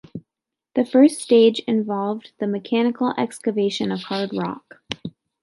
The first stage involved the mechanical excavation of hard rock.